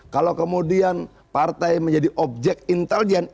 kalau kemudian partai menjadi objek intelijen